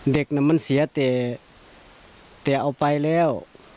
เด็กน่ะมันเสียแต่เอาไปแล้ว